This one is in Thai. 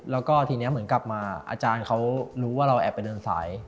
แล้วก็ทีนี้เหมือนกลับมาอาจารย์เขารู้ว่าเราแอบไปเดินสาย